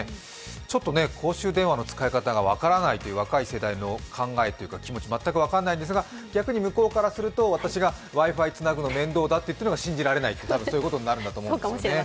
ちょっと公衆電話の使い方が分からないという若い世代の気持ち、全く分からないんですが逆に向こうからすると、私がＷｉ−Ｆｉつなぐの面倒だというのが信じられないと言ってたんで、そういうことになるんでしょうね。